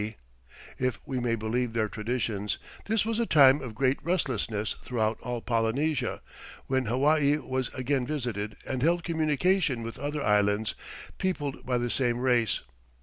D. If we may believe their traditions, this was a time of great restlessness throughout all Polynesia, when Hawaii was again visited and held communication with other islands, peopled by the same race.